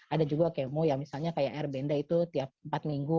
ada juga kemo ya misalnya kayak air benda itu tiap empat minggu